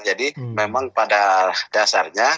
jadi memang pada dasarnya